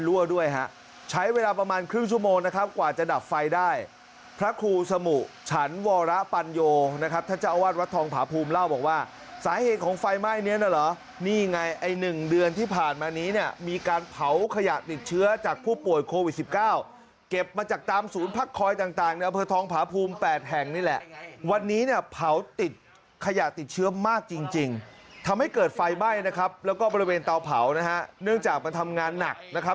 รั่วด้วยฮะใช้เวลาประมาณครึ่งชั่วโมงนะครับกว่าจะดับไฟได้พระคูสมุฉันโวรปัญโยนะครับท่าเจ้าอวัดรัฐทองผาภูมิเล่าบอกว่าสาเหตุของไฟไหม้เนี่ยน่ะหรอนี่ไงไอ่หนึ่งเดือนที่ผ่านมานี้เนี่ยมีการเผาขยะติดเชื้อจากผู้ป่วยโควิด๑๙เก็บมาจากตามศูนย์พรรคคอยต่างเนี่ยไอ้พระทองผา